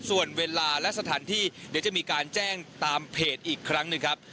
ส่วนเวลาและสถานที่เดี๋ยวจะมีการแจ้งตามเพจอีกครั้งหนึ่งครับ